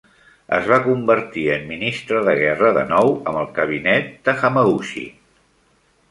Es va convertir en Ministre de Guerra de nou amb el cabinet de Hamaguchi.